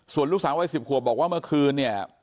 ส่วนลูกสาววัย๑๐ขวบบอกว่าเมื่อคืนเนี่ย